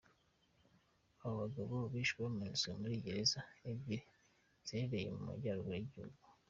Abo bagabo bishwe bamanitswe muri gereza ebyiri ziherereye mu majyaruguru y'igihugu.